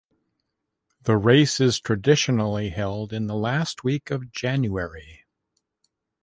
The race is traditionally held in the last week of January.